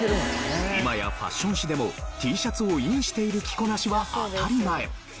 今やファッション誌でもＴシャツをインしている着こなしは当たり前。